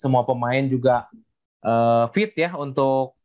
semua pemain juga fit ya untuk